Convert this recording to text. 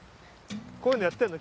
こういうのやってんの？